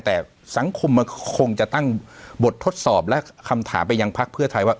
แต่สังคมมันคงจะตั้งบททดสอบและคำถามไปยังพักเพื่อไทยว่า